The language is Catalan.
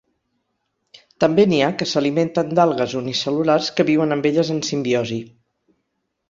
També n'hi ha que s'alimenten d'algues unicel·lulars que viuen amb elles en simbiosi.